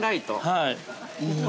◆はい。